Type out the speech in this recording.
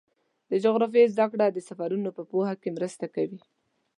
د جغرافیې زدهکړه د سفرونو په پوهه کې مرسته کوي.